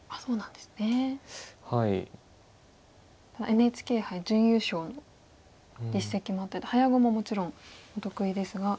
ＮＨＫ杯準優勝の実績もあって早碁ももちろんお得意ですが。